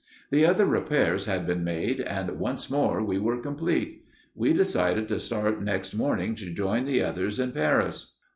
The other repairs had been made, and once more we were complete. We decided to start next morning to join the others in Paris.